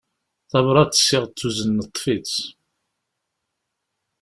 Tabrat i aɣ-d-tuzen neṭṭef-tt.